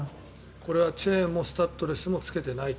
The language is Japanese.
これはチェーンもスタッドレスもつけてないと。